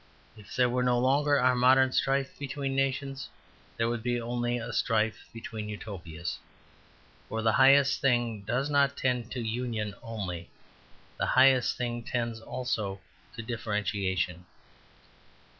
If there were no longer our modern strife between nations, there would only be a strife between Utopias. For the highest thing does not tend to union only; the highest thing, tends also to differentiation.